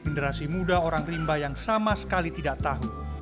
generasi muda orang rimba yang sama sekali tidak tahu